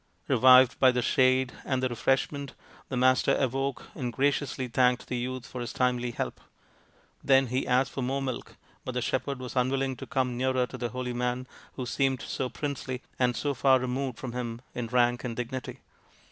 Revived by the, shade and the refreshment, the Master awoke and graciously thanked the youth for his timely help . Then he asked for more milk, but the shepherd was unwilling to come nearer to the holy man who seemed so princely, and so far removed from him in rank and dignity.